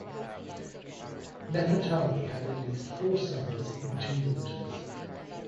Nefertari had at least four sons and two daughters.